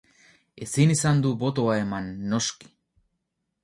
Ezin izan du botoa eman, noski.